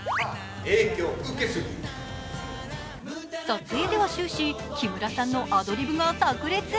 撮影では終始、木村さんのアドリブがさく裂。